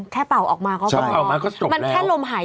แค่เป่าออกมาก็เป่าออกมา